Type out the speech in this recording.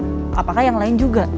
apakah hanya balita apakah yang lain juga